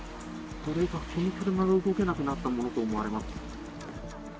この車が動けなくなったものと思われます。